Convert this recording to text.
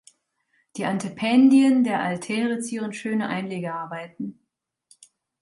Die Antependien der Altäre zieren schöne Einlegearbeiten.